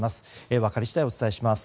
分かり次第お伝えします。